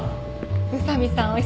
宇佐見さん